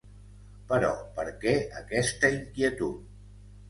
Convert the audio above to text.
Però, per què aquesta inquietud?